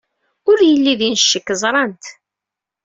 Ur yelli din ccekk ẓrant.